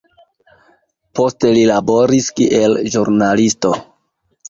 Poste li laboris kiel ĵurnalisto.